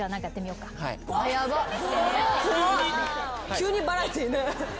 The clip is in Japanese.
急にバラエティー。